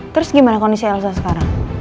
terus gimana kondisi elsa sekarang